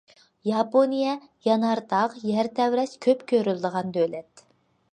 ياپونىيە يانار تاغ، يەر تەۋرەش كۆپ كۆرۈلىدىغان دۆلەت.